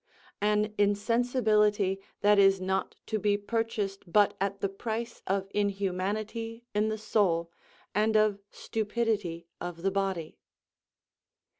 _ "An insensibility that is not to be purchased but at the price of inhumanity in the soul, and of stupidity of the body."